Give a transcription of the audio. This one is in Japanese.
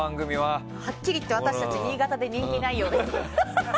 はっきり言って私たちは新潟で人気がないようです。